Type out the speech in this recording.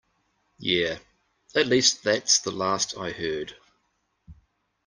Yeah, at least that's the last I heard.